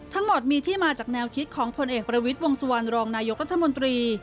ทั้งหมดมีที่มาจากแนวคิดของผลเอกประวิทย์วงสุวรรณรองนายกรัฐมนตรี